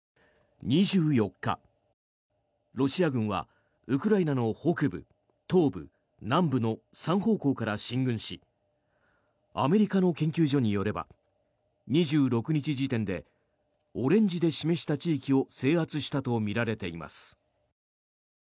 ２４日、ロシア軍はウクライナの北部、東部、南部の３方向から進軍しアメリカの研究所によれば２６日時点でオレンジで示した地域を制圧したとみられています。